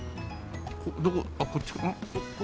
どこあっこっちかこうか。